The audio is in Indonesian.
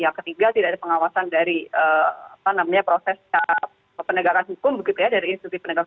oke terima kasih